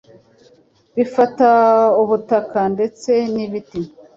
bifata ubutaka ndetse n’ibiti